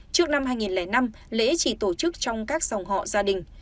trước năm hai nghìn năm lễ chỉ tổ chức trong các dòng họ gia đình